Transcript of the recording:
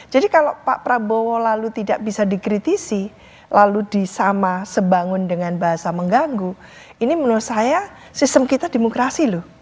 jadi kalau pak prabowo lalu tidak bisa dikritisi lalu disama sebangun dengan bahasa mengganggu ini menurut saya sistem kita demokrasi loh